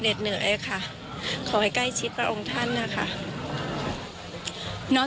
เหน็จเหนื่อยอะค่ะขอให้ใกล้ชิดพระองค์ท่านอะค่ะนอก